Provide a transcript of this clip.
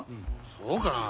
そうかなあ？